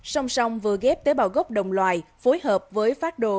song song vừa ghép tế bào gốc đồng loài phối hợp với phát đồ